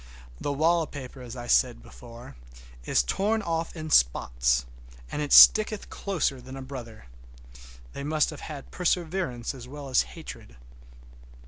The wallpaper, as I said before, is torn off in spots, and it sticketh closer than a brother—they must have had perseverance as well as hatred.